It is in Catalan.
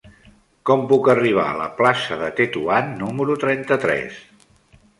Com puc arribar a la plaça de Tetuan número trenta-tres?